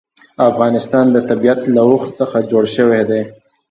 د افغانستان طبیعت له اوښ څخه جوړ شوی دی.